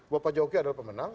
bahwa pak jokowi adalah pemenang